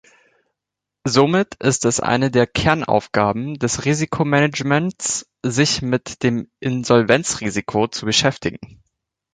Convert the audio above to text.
Somit ist es eine der Kernaufgaben des Risikomanagements sich mit dem Insolvenzrisiko zu beschäftigen.